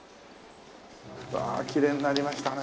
わあきれいになりましたね。